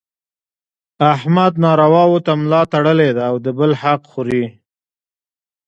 احمد نارواوو ته ملا تړلې ده او د بل حق خوري.